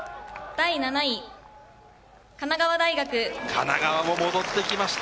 神奈川も戻ってきました。